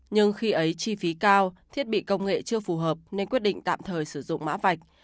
nhưng khi ấy chi phí cao thiết bị công nghệ chưa phù hợp nên quyết định tạm thời sử dụng mã vạch